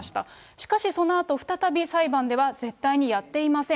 しかしそのあと、再び、裁判では、絶対にやっていません。